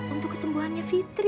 untuk kesembuhannya fitri